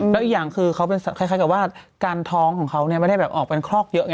แล้วอีกอย่างคือเขาเป็นคล้ายกับว่าการท้องของเขาไม่ได้แบบออกเป็นคลอกเยอะไง